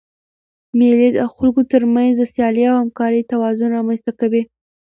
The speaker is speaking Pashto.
مېلې د خلکو تر منځ د سیالۍ او همکارۍ توازن رامنځ ته کوي.